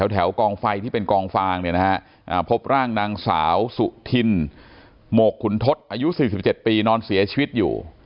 กองไฟที่เป็นกองฟางเนี่ยนะฮะพบร่างนางสาวสุธินหมกขุนทศอายุ๔๗ปีนอนเสียชีวิตอยู่